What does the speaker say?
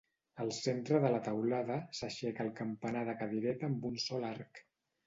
Al centre de la teulada s'aixeca el campanar de cadireta amb un sol arc.